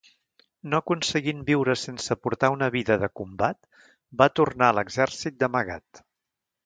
No aconseguint viure sense portar una vida de combat, va tornar a l'exèrcit d'amagat.